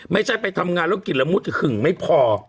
ไม่ใช่ไปทำงานแล้วกินละมุดหึ่งไม่พอ